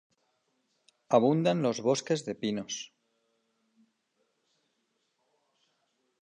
Abundan los bosques de pinos.